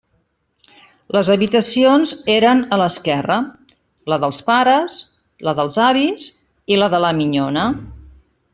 Les habitacions eren a l'esquerra: la dels pares, la dels avis i la de la minyona.